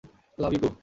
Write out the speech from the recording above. Love you two!